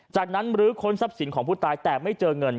จากนั้นหรือค้นทรัพย์สินของผู้ตายแต่ไม่เจอเงิน